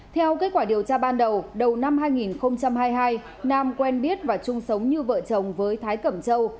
theo kết quả điều tra ban đầu đầu năm hai nghìn hai mươi hai nam quen biết và chung sống như vợ chồng với thái cẩm châu